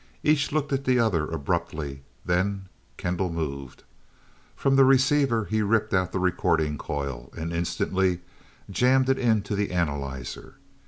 Each looked at the other abruptly, then Kendall moved. From the receiver, he ripped out the recording coil, and instantly jammed it into the analyzer.